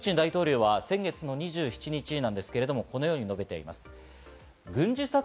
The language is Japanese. プーチン大統領は先月２７日、このように述べています。